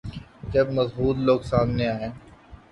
جب مضبوط لوگ سامنے آئیں۔